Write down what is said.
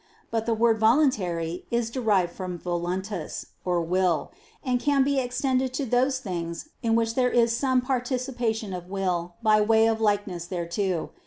But the word "voluntary" is derived from "voluntas" (will), and can be extended to those things in which there is some participation of will, by way of likeness thereto.